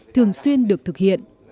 thường xuyên bị đánh giá